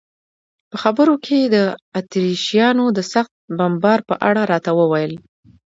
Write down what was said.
په خبرو کې یې د اتریشیانو د سخت بمبار په اړه راته وویل.